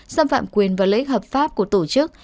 xâm phạm quyền và lễ hợp pháp của tổ chức